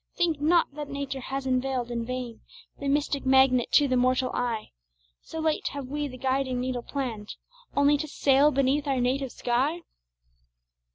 Think not that Nature has unveil'd in vain The mystic magnet to the mortal eye: So late have we the guiding needle plann'd Only to sail beneath our native sky?